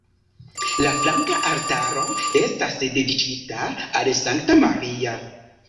La flanka altaro estas dediĉita al Sankta Maria.